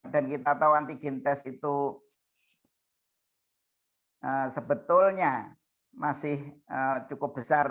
dan kita tahu antigen tes itu sebetulnya masih cukup besar